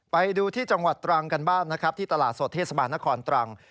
ไปดูที่จังหวัดตรังกันบ้างนะครับที่ตลาดสดเทศบาลนครตรัง